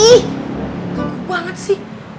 ih kaget banget sih